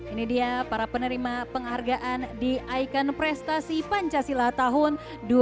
ini dia para penerima penghargaan di ikon prestasi pancasila tahun dua ribu dua puluh